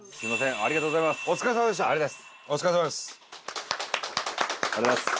ありがとうございます。